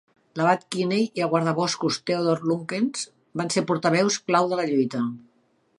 L'abat Kinney i el guardaboscos Theodore Lukens van ser portaveus clau de la lluita.